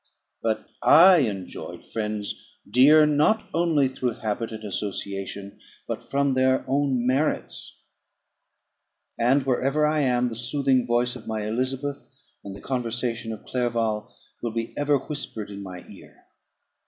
But I enjoyed friends, dear not only through habit and association, but from their own merits; and wherever I am, the soothing voice of my Elizabeth, and the conversation of Clerval, will be ever whispered in my ear.